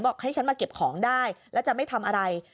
ให้ฉันมาเก็บของได้แล้วจะไม่ทำอะไร